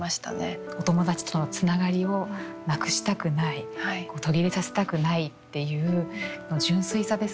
お友達とのつながりをなくしたくない途切れさせたくないっていう純粋さですかね